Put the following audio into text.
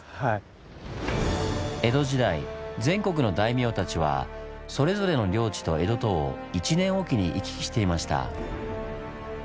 江戸時代全国の大名たちはそれぞれの領地と江戸とを１年おきに行き来していました。